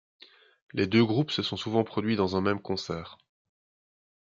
Les deux groupes se sont souvent produit dans un même concert.